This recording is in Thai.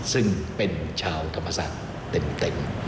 ซึ่งเป็นชาวธรรมศาสตร์เต็ม